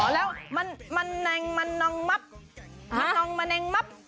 แล้วมันแม่งมันนองมับมันนองมันแม่งมับ